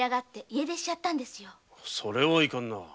それはいかんな。